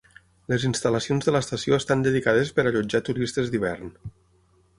Les instal·lacions de l'estació estan dedicades per allotjar turistes d'hivern.